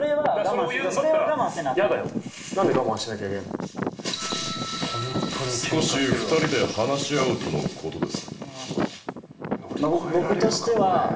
少し２人で話し合うとのことです